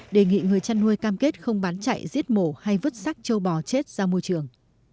đề nghị người chăn nuôi cam kết không bán chạy giết mổ hay vứt sắc châu bò chết ra môi trường